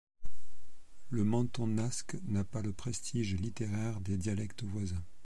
Le mentonasque n'a pas le prestige littéraire des dialectes voisins.